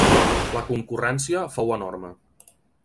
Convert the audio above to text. La concurrència fou enorme.